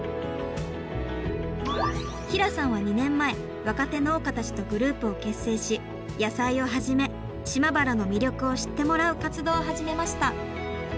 平さんは２年前若手農家たちとグループを結成し野菜をはじめ島原の魅力を知ってもらう活動を始めました。